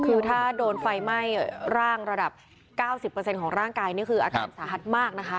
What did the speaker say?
คือถ้าโดนไฟไหม้ร่างระดับ๙๐ของร่างกายนี่คืออาการสาหัสมากนะคะ